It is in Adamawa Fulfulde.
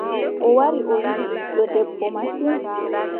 O wari a yiɗi ɓiɗɗo debbo masin.